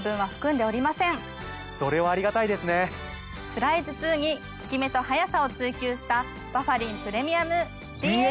つらい頭痛に効き目と速さを追求したバファリンプレミアム。